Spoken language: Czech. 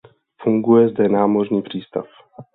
Funguje zde námořní přístav.